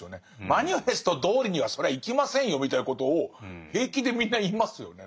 マニフェストどおりにはそりゃいきませんよみたいなことを平気でみんな言いますよね。